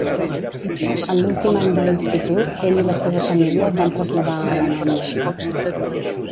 En l'últim any de l'institut, ell i la seva família es van traslladar a Alemanya.